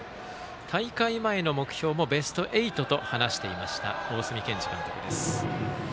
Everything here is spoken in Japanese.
大会前の目標もベスト８と話していました大角健二監督です。